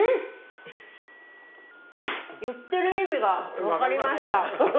言ってる意味がわかりました。